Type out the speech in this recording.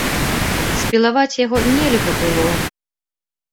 Спілаваць яго нельга было.